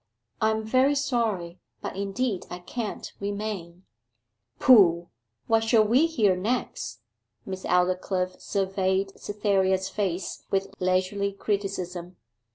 I am very sorry, but indeed I can't remain!' 'Pooh what shall we hear next?' Miss Aldclyffe surveyed Cytherea's face with leisurely criticism.